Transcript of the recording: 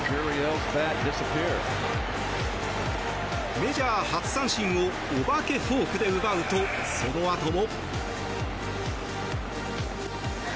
メジャー初三振をお化けフォークで奪うとそのあとも。